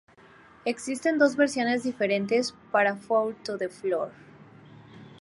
Existen dos versiones diferentes para "Four to the Floor".